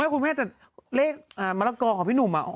คุณแม่แต่เลขมะละกอของพี่หนุ่ม